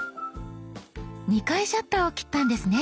２回シャッターを切ったんですね。